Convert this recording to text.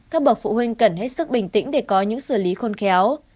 các bậc phụ huynh cần hết sức bình tĩnh để có những xử lý khôn khéo